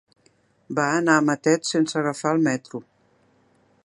Va anar a Matet sense agafar el metro.